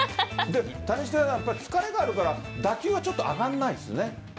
谷繁さん、疲れがあるから打球は上がらないですよね。